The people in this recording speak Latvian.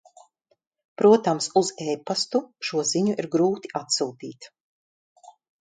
Protams, uz e-pastu šo ziņu ir grūti atsūtīt...